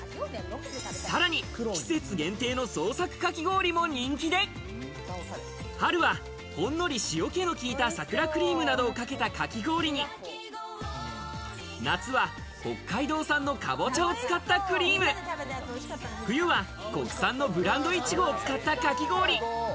さらに季節限定の創作かき氷も人気で、春は、ほんのり塩気の効いた桜クリームなどをかけたかき氷に、夏は北海道産のカボチャを使ったクリーム、冬は国産のブランドいちごを使ったかき氷。